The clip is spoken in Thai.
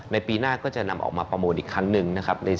ปีหน้าก็จะนำออกมาประมูลอีกครั้งหนึ่งนะครับ